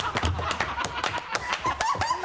ハハハ